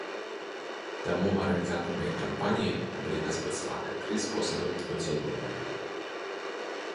Таму арганізатарамі кампаніі былі распрацаваныя тры спосабы ўдзелу ў ёй.